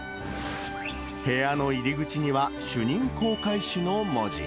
部屋の入り口には主任航海士の文字。